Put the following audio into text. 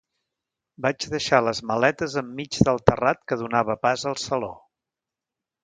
Vaig deixar les maletes enmig del terrat que donava pas al saló.